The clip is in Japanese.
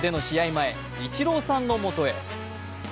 前、イチローさんの元へ。